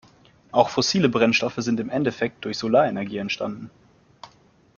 Auch fossile Brennstoffe sind im Endeffekt durch Solarenergie entstanden.